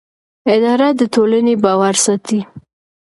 اداره د ټولنې باور ساتي.